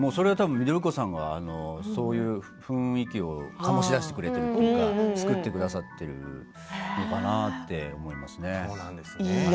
緑子さんはそういう雰囲気を醸し出してくれているというか作ってくださっているのかなって思いましたね。